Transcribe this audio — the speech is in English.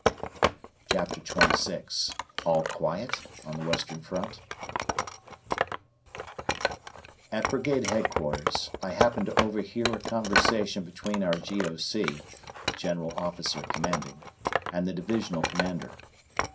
CHAPTER XXVI ALL QUIET (?) ON THE WESTERN FRONT At Brigade Headquarters I happened to overhear a conversation between our G.O.C. (General Officer Commanding) and the Divisional Commander.